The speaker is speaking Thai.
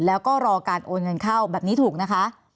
แล้วก็รอการโอนเงินเข้าแบบนี้ถูกนะคะ